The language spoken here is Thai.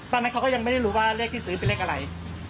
ตอนนั้นเขาก็ยังไม่รู้ว่าเรียกที่ซื้อเป็นเรียกอะไร